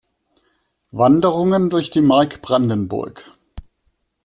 Wanderungen durch die Mark Brandenburg.